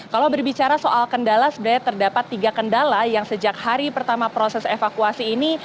kalau berbicara soal kendala sebenarnya terdapat tiga kendala yang sejak hari pertama proses evakuasi ini